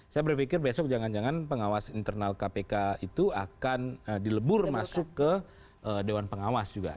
saya berpikir besok jangan jangan pengawas internal kpk itu akan dilebur masuk ke dewan pengawas juga